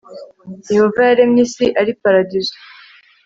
yehova yaremye isi ari paradizo